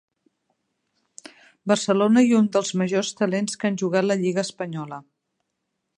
Barcelona, i un dels majors talents que han jugat la lliga espanyola.